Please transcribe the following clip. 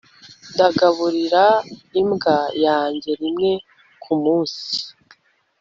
ndagaburira imbwa yanjye rimwe kumunsi